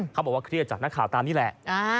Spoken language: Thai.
เขาบอกว่าเครียดจากนักข่าวตามนี่แหละ